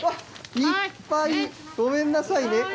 いっぱい、ごめんなさいね。